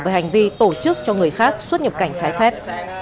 về hành vi tổ chức cho người khác xuất nhập cảnh trái phép